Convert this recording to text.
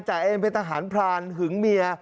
จ่าแอนเป็นทหารพรานหึงเมีย